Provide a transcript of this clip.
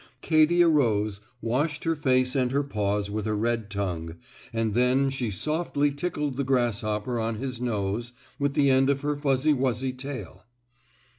Katy arose, washed her face and her paws with her red tongue, and then she softly tickled the grasshopper on his nose with the end of her fuzzy wuzzy tail.